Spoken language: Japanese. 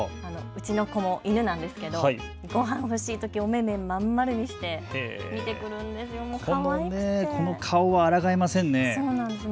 うちの子も犬なんですけどごはんが欲しいときにお目々を真ん丸にして見てくるんです。